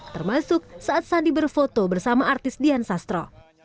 termasuk saat sandi berfoto bersama artis dian sastro